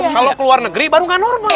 kalo keluar negeri baru gak normal